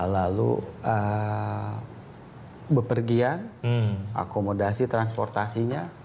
lalu bepergian akomodasi transportasinya